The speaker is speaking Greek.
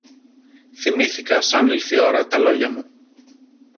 θυμήθηκα, σαν ήλθε η ώρα, τα λόγια μου.